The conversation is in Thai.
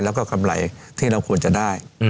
แล้วก็กำไรที่เราควรจะได้